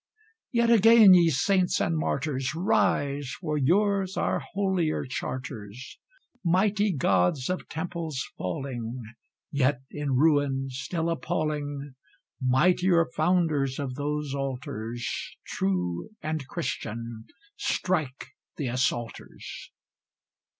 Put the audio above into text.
Yet again, ye saints and martyrs, Rise! for yours are holier charters! Mighty gods of temples falling, Yet in ruin still appalling, Mightier founders of those altars True and Christian strike the assaulters!